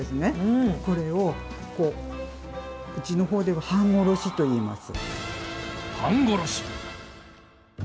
これをこううちの方では半殺しといいます。